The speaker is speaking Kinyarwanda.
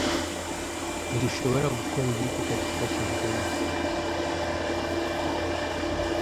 Ntidushobora gukora ibi tutabifashijwemo.